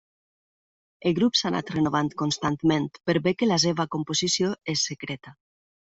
El grup s'ha anat renovant constantment, per bé que la seva composició és secreta.